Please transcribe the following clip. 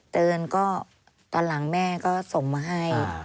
เตือนก็ตอนหลังแม่ก็ส่งมาให้